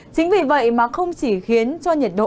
chính vì vậy mà không chỉ khiến cho nhiệt độ